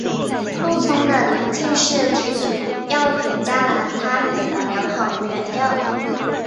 鹿葱的鳞茎是提取药品加兰他敏的良好原料。